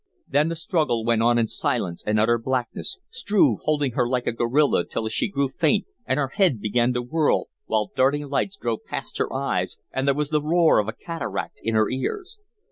Then the struggle went on in silence and utter blackness, Strove holding her like a gorilla till she grew faint and her head began to whirl, while darting lights drove past her eyes and there was the roar of a cataract in her ears.